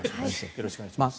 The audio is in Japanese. よろしくお願いします。